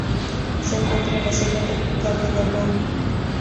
Se encuentra en la selva tropical de Gabón.